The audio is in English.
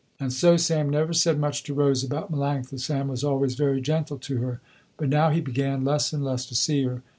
And so Sam never said much to Rose about Melanctha. Sam was always very gentle to her, but now he began less and less to see her.